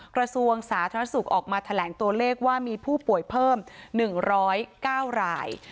กระทรวงสาธารณสุขออกมาแถลงตัวเลขว่ามีผู้ป่วยเพิ่มหนึ่งร้อยเก้าราย